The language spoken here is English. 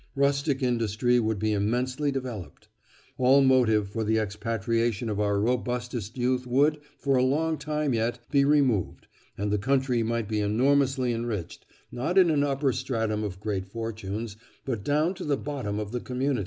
Rustic industry would be immensely developed. All motive for the expatriation of our robustest youth would, for a long time yet, be removed, and the country might be enormously enriched, not in an upper stratum of great fortunes, but down to the bottom of the community."